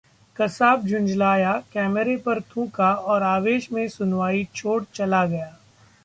कसाब झुंझलाया, कैमरे पर थूका और आवेश में सुनवाई छोड़ चला गया